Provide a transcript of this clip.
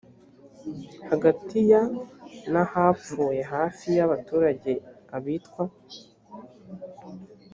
hagati ya na hapfuye hafi y abaturage abitwa